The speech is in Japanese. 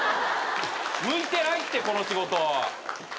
向いてないってこの仕事。